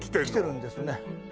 来てるんですね